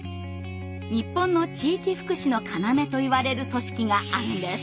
日本の地域福祉の要といわれる組織があるんです。